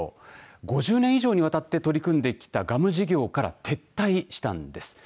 ５０年以上にわたって取り組んできたガム事業から撤退したんです。